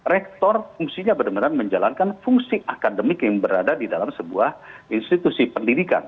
rektor fungsinya benar benar menjalankan fungsi akademik yang berada di dalam sebuah institusi pendidikan